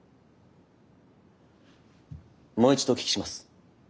もう一度お聞きします。